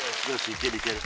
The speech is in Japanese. いけるいける。